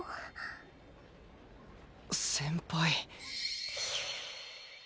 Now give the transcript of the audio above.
先輩